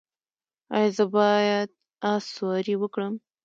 ایا زه باید اس سواري وکړم؟